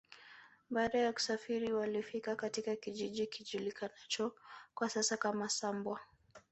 Baada ya kusafiri walifika katika kijiji kijulikanacho kwa sasa kama Sambwa